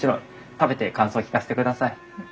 食べて感想聞かせてください。